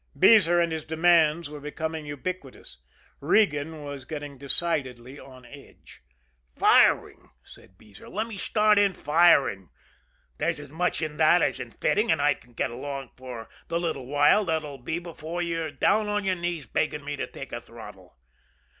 Beezer and his demands were becoming ubiquitous. Regan was getting decidedly on edge. "Firing," said Beezer. "Let me start in firing there's as much in that as in fitting, and I can get along for the little while it'll be before you'll be down on your knees begging me to take a throttle."